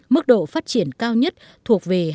mức độ phát triển cao nhất thuộc về